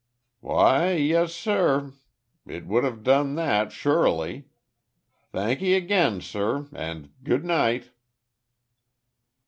"Why, yes, sur, it would have done that sure ly. Thank'ee again, sur, and good night."